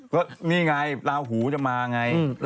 ก็นี่ไงลาหูจะมาไง